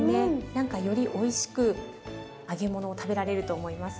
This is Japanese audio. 何かよりおいしく揚げ物を食べられると思います。